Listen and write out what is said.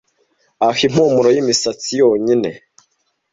aho impumuro yimisatsi yonyine